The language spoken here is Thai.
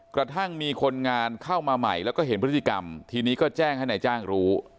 กระทั่งมีคนงานเข้ามาใหม่แล้วก็เห็นพฤติกรรมทีนี้ก็แจ้งให้นายจ้างรู้